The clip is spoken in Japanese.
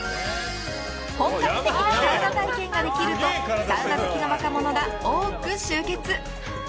本格的なサウナ体験ができるとサウナ好きの若者が多く集結。